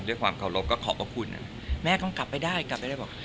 ด้วยความขอบคุณแม่ต้องกลับไปได้กลับไปได้บอก